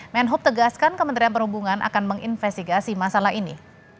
menhub tegaskan kementerian perhubungan akan menginvestigasi masalah ini